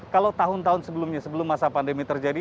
kalau tahun tahun sebelumnya sebelum masa pandemi terjadi